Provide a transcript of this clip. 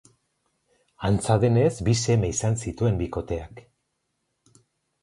Antza denez, bi seme izan zituen bikoteak.